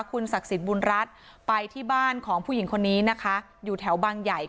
คุณศักดิ์สิทธิ์บุญรัฐไปที่บ้านของผู้หญิงคนนี้นะคะอยู่แถวบางใหญ่